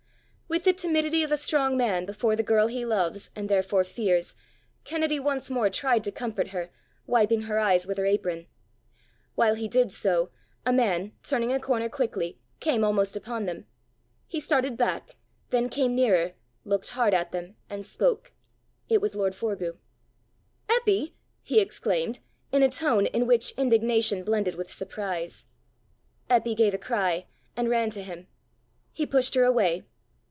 With the timidity of a strong man before the girl he loves and therefore fears, Kennedy once more tried to comfort her, wiping her eyes with her apron. While he did so, a man, turning a corner quickly, came almost upon them. He started back, then came nearer, looked hard at them, and spoke. It was lord Forgue. "Eppy!" he exclaimed, in a tone in which indignation blended with surprise. Eppy gave a cry, and ran to him. He pushed her away.